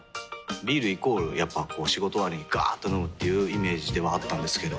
ビールイコールやっぱこう仕事終わりにガーっと飲むっていうイメージではあったんですけど。